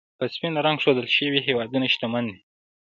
په سپین رنګ ښودل شوي هېوادونه، شتمن دي.